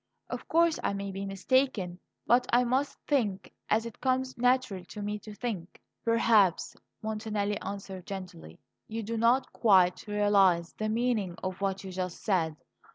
Of course I may be mistaken; but I must think as it comes natural to me to think." "Perhaps," Montanelli answered gently, "you do not quite realize the meaning of what you just said.